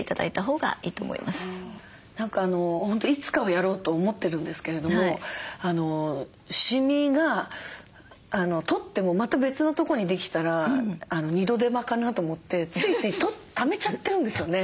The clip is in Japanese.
何か本当いつかはやろうと思ってるんですけれどもシミが取ってもまた別のとこにできたら二度手間かなと思ってついついためちゃってるんですよね。